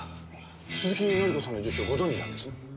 鈴木紀子さんの住所をご存じなんですね？